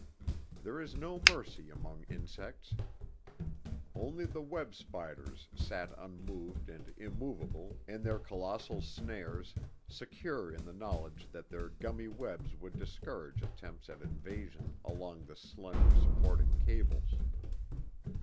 There is no mercy among insects. Only the web spiders sat unmoved and immovable in their colossal snares, secure in the knowledge that their gummy webs would discourage attempts at invasion along the slender supporting cables.